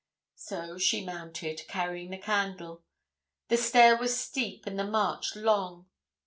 So she mounted, carrying the candle. The stair was steep, and the march long.